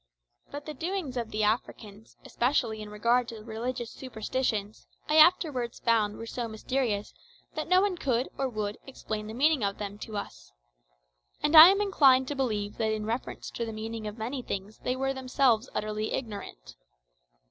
But the doings of Africans, especially in regard to religious superstitions, I afterwards found were so mysterious that no one could or would explain the meaning of them to us. And I am inclined to believe that in reference to the meaning of many things they were themselves utterly ignorant.